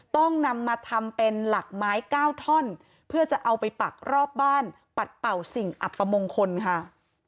ต้องนำมาทำเป็นหลักไม้๙ท่อนเพื่อจะเอาไปปักรอบบ้านปัดเป่าสิ่งอัปมงคลค่ะ